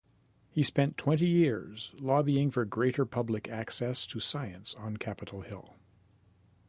He spent twenty years lobbying for greater public access to science on Capital Hill.